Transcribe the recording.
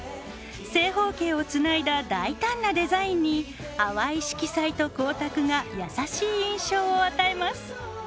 正方形をつないだ大胆なデザインに淡い色彩と光沢が優しい印象を与えます。